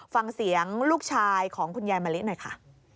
ฟังเสียงลูกชายของคุณยายมะลิหน่อยค่ะ